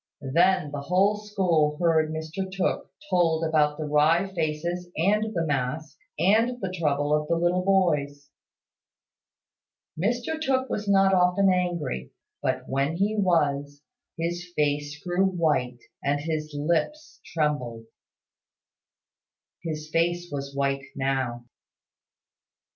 Then the whole school heard Mr Tooke told about the wry faces and the mask, and the trouble of the little boys. Mr Tooke was not often angry; but when he was, his face grew white, and his lips trembled. His face was white now.